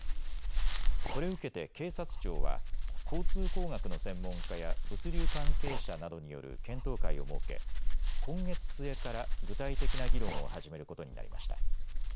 これを受けて警察庁は交通工学の専門家や物流関係者などによる検討会を設け今月末から具体的な議論を始めることになりました。